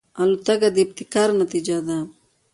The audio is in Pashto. الوتکه د ابتکار نتیجه ده.